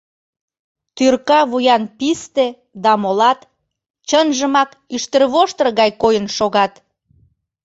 Тӱрка вуян писте да молат чынжымак ӱштервоштыр гай койын шогат.